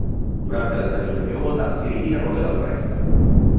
Durante la stagione piovosa, si ritirano nella foresta.